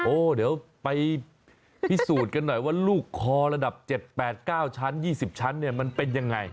เดี๋ยวไปพิสูจน์กันหน่อยว่าลูกคอระดับ๗๘๙ชั้น๒๐ชั้นเนี่ยมันเป็นยังไง